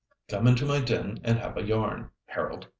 Come into my den and have a yarn, Harold.